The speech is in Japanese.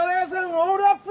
オールアップ